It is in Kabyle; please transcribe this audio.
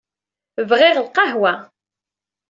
Bɣiɣ lqahwa.